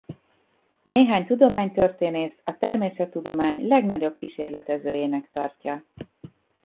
Néhány tudománytörténész a természettudomány legnagyobb kísérletezőjének tartja.